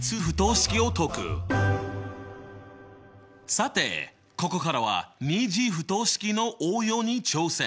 さてここからは２次不等式の応用に挑戦！